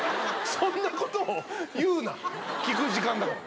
そんなことを言うな聞く時間だから。